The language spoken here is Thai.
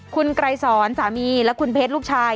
คุณไกรสอนสามีและคุณเพชรลูกชาย